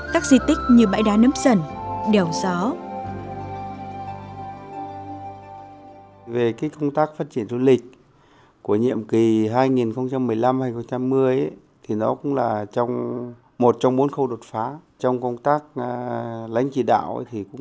các di tích như bãi đá nấm sẩn đèo gió